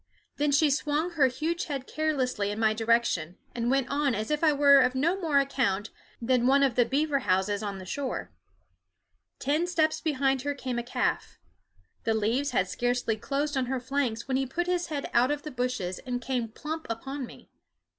Then she swung her huge head carelessly in my direction, and went on as if I were of no more account than one of the beaver houses on the shore. Ten steps behind her came a calf. The leaves had scarcely closed on her flanks when he put his head out of the bushes and came plump upon me.